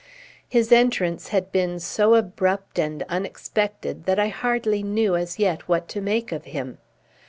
His entrance had been so abrupt and unexpected that I hardly knew as yet what to make of him.